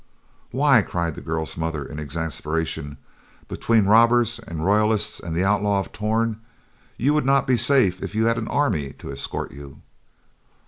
"Why," cried the girl's mother in exasperation, "between robbers and royalists and the Outlaw of Torn, you would not be safe if you had an army to escort you."